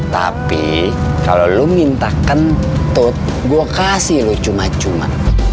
tapi kalau lu minta kentut gua kasih lu cuma cuma